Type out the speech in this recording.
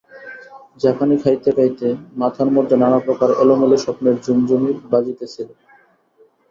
ঝাঁকানি খাইতে খাইতে মাথার মধ্যে নানাপ্রকার এলোমেলো স্বপ্নের ঝুমঝুমি বাজিতেছিল।